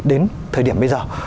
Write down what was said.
đến thời điểm bây giờ